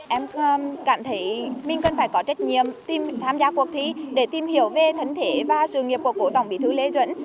em cảm thấy mình cần phải có trách nhiệm tìm tham gia cuộc thi để tìm hiểu về thân thể và sự nghiệp của cố tổng bí thư lê duẩn